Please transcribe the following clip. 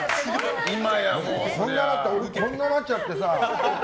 俺こんなになっちゃってさ。